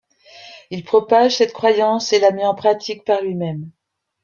Il propage cette croyance et la met en pratique par lui-même.